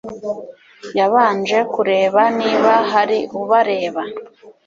yabanje kureba niba hari ubareba